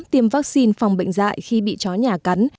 tìm vaccine phòng bệnh dại khi bị chó nhà cắn